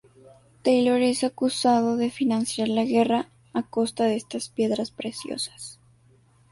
Taylor es acusado de financiar la guerra a costa de estas piedras preciosas.